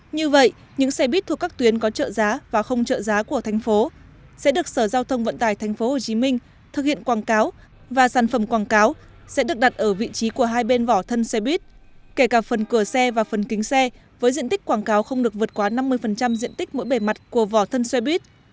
như vậy những xe buýt thuộc các tuyến có trợ giá và không trợ giá của thành phố sẽ được sở giao thông vận tải tp hcm thực hiện quảng cáo và sản phẩm quảng cáo sẽ được đặt ở vị trí của hai bên vỏ thân xe buýt kể cả phần cửa xe và phần kính xe với diện tích quảng cáo không được vượt quá năm mươi diện tích mỗi bề mặt của vỏ thân xe buýt